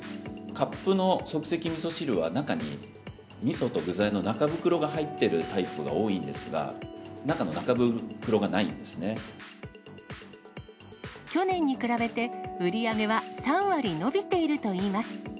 カップの即席みそ汁は、中にみそと具材の中袋が入ってるタイプが多いんですが、去年に比べて、売り上げは３割伸びているといいます。